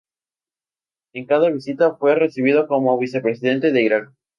En cada visita, fue recibido como vicepresidente de Irak.